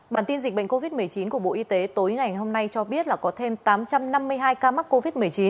bản tin dịch bệnh covid một mươi chín của bộ y tế tối ngày hôm nay cho biết là có thêm tám trăm năm mươi hai ca mắc covid một mươi chín